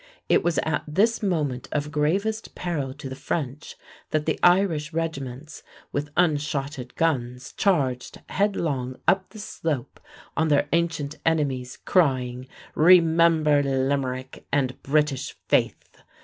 It was at this moment of gravest peril to the French that the Irish regiments with unshotted guns charged headlong up the slope on their ancient enemies, crying, "Remember Limerick and British Faith!"